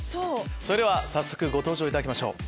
それでは早速ご登場いただきましょう。